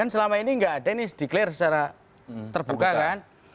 kan selama ini nggak ada ini declare secara terbuka kan